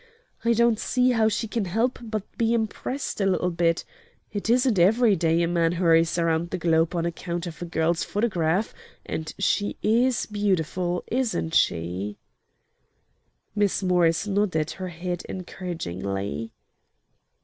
I don't see how she can help but be impressed a little bit. It isn't every day a man hurries around the globe on account of a girl's photograph; and she IS beautiful, isn't she?" Miss Morris nodded her head encouragingly.